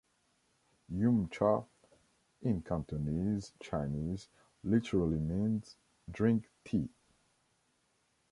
"Yum cha" in Cantonese Chinese literally means "drink tea".